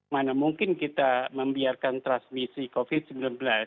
mana mungkin kita membiarkan transmisi covid sembilan belas